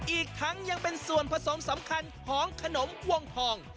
อีกทั้งยังเป็นส่วนผสมสำคัญของขนมวงทอง